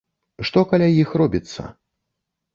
Што каля іх робіцца?!